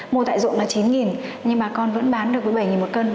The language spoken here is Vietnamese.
mua tại rộng là chín nhưng bà con vẫn bán được với bảy một kg